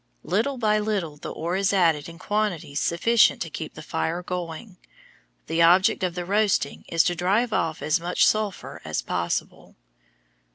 Little by little the ore is added in quantities sufficient to keep the fire going. The object of the roasting is to drive off as much sulphur as possible.